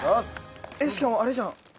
えっしかもあれじゃん。